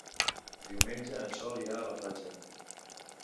Diumenge en Sol irà a la platja.